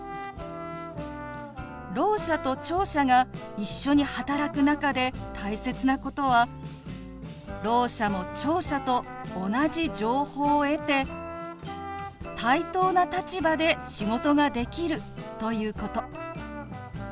ろう者と聴者が一緒に働く中で大切なことはろう者も聴者と同じ情報を得て対等な立場で仕事ができるということ。